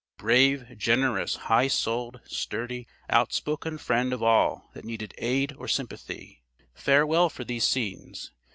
"Brave, generous, high souled, sturdy, outspoken friend of all that needed aid or sympathy, farewell for these scenes!